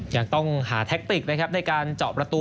ยังต้องหาแท็กติกนะครับในการเจาะประตู